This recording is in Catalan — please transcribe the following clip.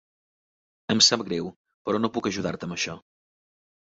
Em sap greu, però no puc ajudar-te amb això.